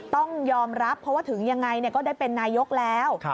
ต้องยอมรับเพราะว่าถึงยังไงก็ได้เป็นนายกแล้ว